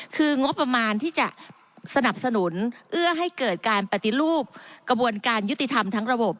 คืองบประมาณที่จะสนับสนุนเอื้อให้เกิดการปฏิรูปกระบวนการยุติธรรมทั้งระบบ